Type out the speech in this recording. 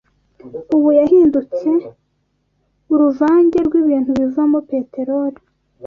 ubu yahindutse uruvange rw’ibintu bivamo peteroli